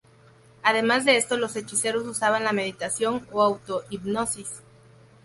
Además de esto los hechiceros usaban la meditación o auto hipnosis.